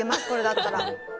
これだったら。